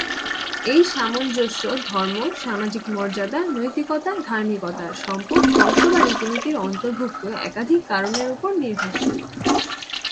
এই সামঞ্জস্য ধর্ম, সামাজিক মর্যাদা, নৈতিকতা, ধার্মিকতা, সম্পদ, বংশ বা রীতিনীতির অন্তর্ভুক্ত একাধিক কারণের উপর নির্ভরশীল।